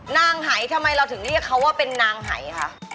หายทำไมเราถึงเรียกเขาว่าเป็นนางหายคะ